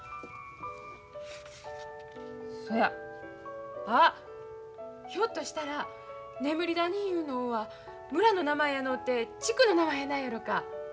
そやあっひょっとしたら眠り谷いうのんは村の名前やのうて地区の名前やないやろか。